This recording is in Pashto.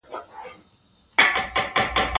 کابل د افغانستان د اقتصادي منابعو ارزښت نور هم زیاتوي.